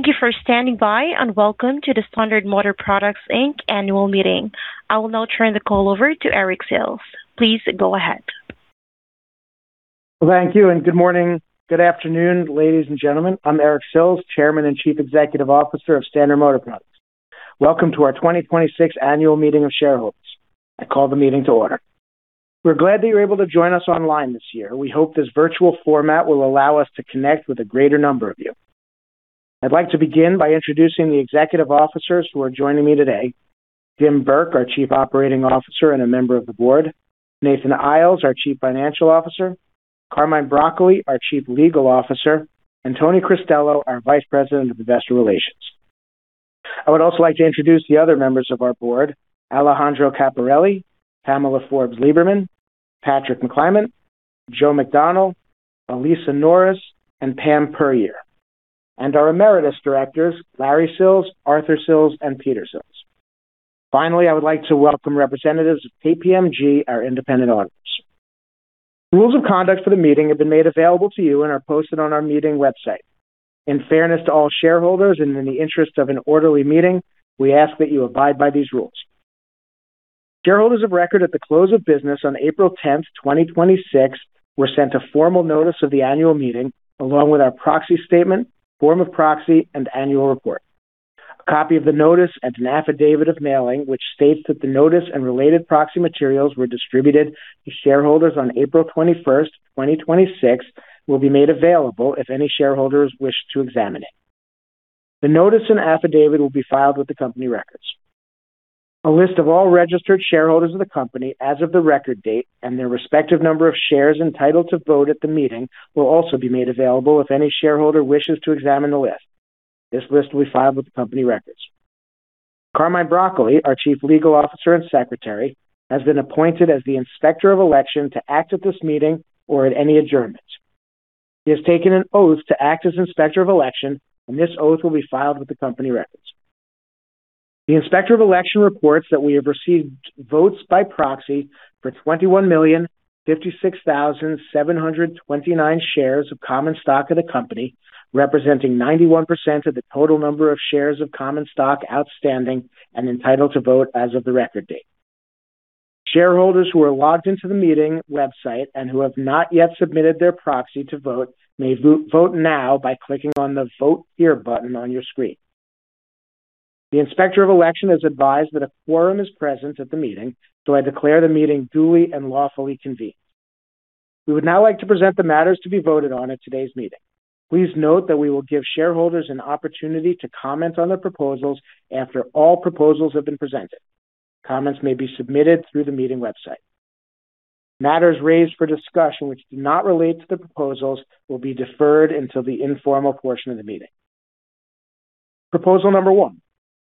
Thank you for standing by, and welcome to the Standard Motor Products Inc. annual meeting. I will now turn the call over to Eric Sills. Please go ahead. Thank you, and good morning. Good afternoon, ladies and gentlemen. I'm Eric Sills, Chairman and Chief Executive Officer of Standard Motor Products. Welcome to our 2026 annual meeting of shareholders. I call the meeting to order. We're glad that you're able to join us online this year. We hope this virtual format will allow us to connect with a greater number of you. I'd like to begin by introducing the executive officers who are joining me today. James Burke, our Chief Operating Officer and a member of the board, Nathan Iles, our Chief Financial Officer, Carmine Broccole, our Chief Legal Officer, and Tony Cristello, our Vice President of Investor Relations. I would also like to introduce the other members of our board, Alejandro Capparelli, Pamela Forbes Lieberman, Patrick McClymont, Joe McDonnell, Alisa Norris, and Pam Puryear. Our emeritus directors, Larry Sills, Arthur Sills, and Peter Sills. Finally, I would like to welcome representatives of KPMG, our independent auditors. Rules of conduct for the meeting have been made available to you and are posted on our meeting website. In fairness to all shareholders and in the interest of an orderly meeting, we ask that you abide by these rules. Shareholders of record at the close of business on April 10th, 2026, were sent a formal notice of the annual meeting, along with our proxy statement, form of proxy, and annual report. A copy of the notice and an affidavit of mailing, which states that the notice and related proxy materials were distributed to shareholders on April 21st, 2026, will be made available if any shareholders wish to examine it. The notice and affidavit will be filed with the company records. A list of all registered shareholders of the company as of the record date and their respective number of shares entitled to vote at the meeting will also be made available if any shareholder wishes to examine the list. This list will be filed with the company records. Carmine Broccole, our Chief Legal Officer and Secretary, has been appointed as the inspector of election to act at this meeting or at any adjournment. He has taken an oath to act as inspector of election, and this oath will be filed with the company records. The inspector of election reports that we have received votes by proxy for 21,056,729 shares of common stock of the company, representing 91% of the total number of shares of common stock outstanding and entitled to vote as of the record date. Shareholders who are logged into the meeting website and who have not yet submitted their proxy to vote may vote now by clicking on the Vote Here button on your screen. The inspector of election has advised that a quorum is present at the meeting, so I declare the meeting duly and lawfully convened. We would now like to present the matters to be voted on at today's meeting. Please note that we will give shareholders an opportunity to comment on the proposals after all proposals have been presented. Comments may be submitted through the meeting website. Matters raised for discussion which do not relate to the proposals will be deferred until the informal portion of the meeting. Proposal number one.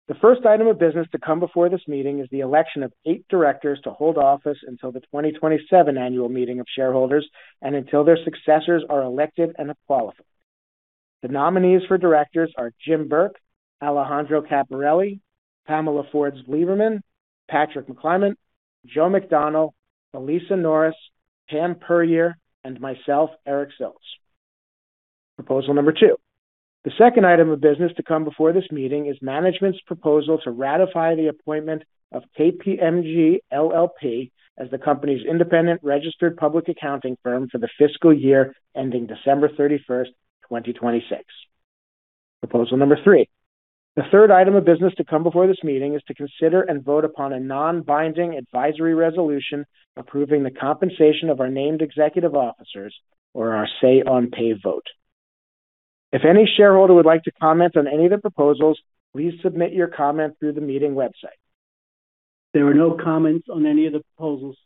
The first item of business to come before this meeting is the election of eight directors to hold office until the 2027 annual meeting of shareholders and until their successors are elected and qualified. The nominees for directors are James Burke, Alejandro Capparelli, Pamela Forbes Lieberman, Patrick McClymont, Joseph McDonnell, Alisa Norris, Pamela Puryear, and myself, Eric Sills. Proposal number two. The second item of business to come before this meeting is management's proposal to ratify the appointment of KPMG LLP as the company's independent registered public accounting firm for the fiscal year ending December 31st, 2026. Proposal number three. The third item of business to come before this meeting is to consider and vote upon a non-binding advisory resolution approving the compensation of our named executive officers or our say on pay vote. If any shareholder would like to comment on any of the proposals, please submit your comment through the meeting website. There are no comments on any of the proposals.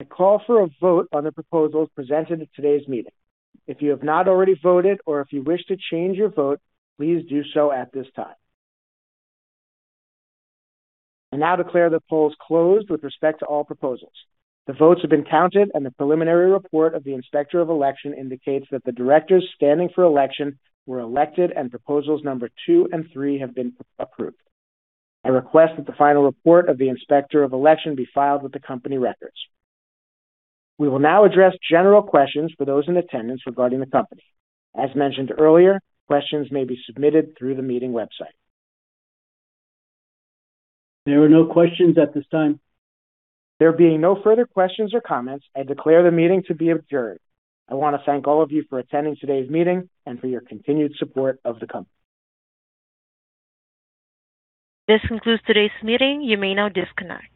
I call for a vote on the proposals presented at today's meeting. If you have not already voted or if you wish to change your vote, please do so at this time. I now declare the polls closed with respect to all proposals. The votes have been counted and the preliminary report of the inspector of election indicates that the directors standing for election were elected and proposals number two and three have been approved. I request that the final report of the inspector of election be filed with the company records. We will now address general questions for those in attendance regarding the company. As mentioned earlier, questions may be submitted through the meeting website. There are no questions at this time. There being no further questions or comments, I declare the meeting to be adjourned. I want to thank all of you for attending today's meeting and for your continued support of the company. This concludes today's meeting. You may now disconnect.